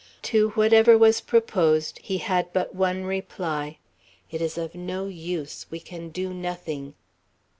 To whatever was proposed, he had but one reply: "It is of no use. We can do nothing."